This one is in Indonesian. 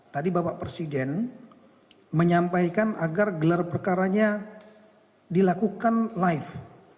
tadi bapak presiden menyampaikan agar gelar perkaranya dilakukan live